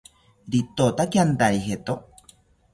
Ritotaki antari jeto